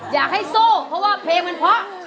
อยากให้สู้เพราะว่าเพลงมันเพราะ